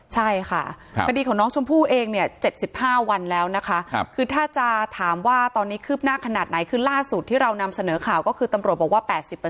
ใช่ค่ะคดีของน้องชมพู่เองเนี่ย๗๕วันแล้วนะคะคือถ้าจะถามว่าตอนนี้คืบหน้าขนาดไหนคือล่าสุดที่เรานำเสนอข่าวก็คือตำรวจบอกว่า๘๐